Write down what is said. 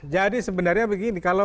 jadi sebenarnya begini